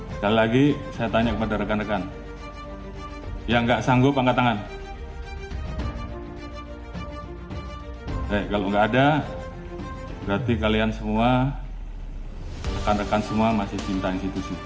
sekali lagi saya tanya kepada rekan rekan